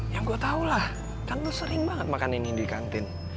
ya gue tau lah kan lo sering banget makan ini di kantin